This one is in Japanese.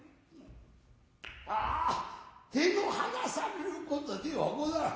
ああ手の離さるることではござらぬ。